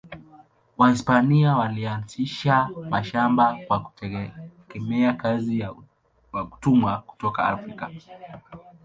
Wahispania walianzisha mashamba kwa kutegemea kazi ya watumwa kutoka Afrika.